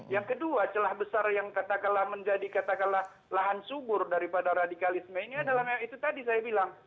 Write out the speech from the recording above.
yang kedua celah besar yang katakanlah menjadi katakanlah lahan subur daripada radikalisme ini adalah itu tadi saya bilang